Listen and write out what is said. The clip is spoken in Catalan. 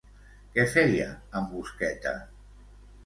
Què feia, en Busqueta?